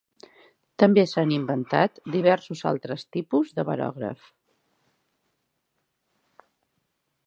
També s'han inventat diversos altres tipus de barògraf.